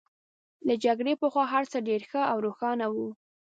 له جګړې پخوا هرڅه ډېر ښه او روښانه وو